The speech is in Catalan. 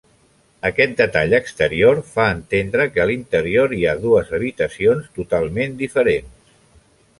Aquest detall exterior fa entendre que a l'interior hi ha dues habitacions totalment diferents.